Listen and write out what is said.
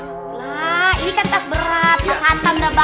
lah ini kan tas berat pas satam udah bawa